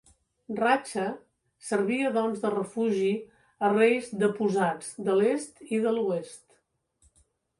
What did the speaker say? Ratxa servia doncs de refugi a reis deposats de l'est i de l'oest.